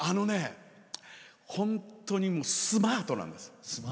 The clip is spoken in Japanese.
本当にスマートなんです。